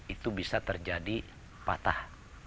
itu bisa terjadi patah